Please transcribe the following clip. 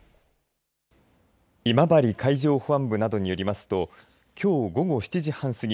今治海上保安部などによりますときょう午後７時半過ぎ